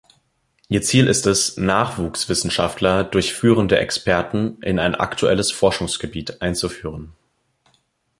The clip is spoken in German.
Ihr Ziel ist es, Nachwuchswissenschaftler durch führende Experten in ein aktuelles Forschungsgebiet einzuführen.